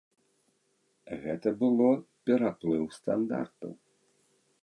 Гэта было пераплыў стандартаў.